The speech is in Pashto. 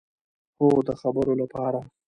هو، د خبرو لپاره